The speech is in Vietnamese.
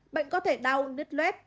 bệnh có thể đau nứt lết